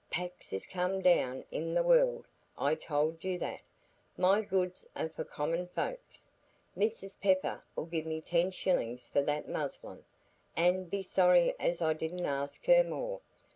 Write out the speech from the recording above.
Packs is come down i' the world; I told you that; my goods are for common folks. Mrs Pepper 'ull give me ten shillin' for that muslin, an' be sorry as I didn't ask her more.